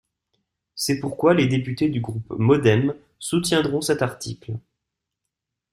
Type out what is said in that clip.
C’est pourquoi les députés du groupe MODEM soutiendront cet article.